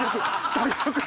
最悪！